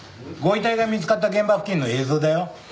ご遺体が見つかった現場付近の映像だよ。